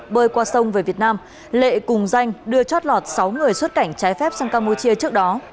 bơi qua sông về việt nam lệ cùng danh đưa chót lọt sáu người xuất cảnh trái phép sang campuchia trước đó